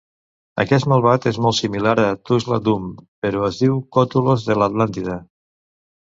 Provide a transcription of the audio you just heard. Aquest malvat és molt similar a Thulsa Doom, però es diu "Kathulos de l'Atlàntida".